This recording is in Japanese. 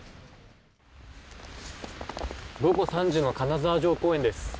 午後３時の金沢城公園です。